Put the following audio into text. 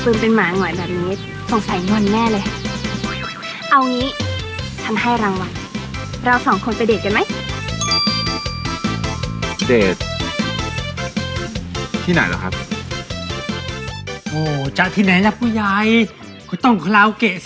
ซึมเป็นหมาหง่อยแบบนี้สงสัยนอนแน่เลย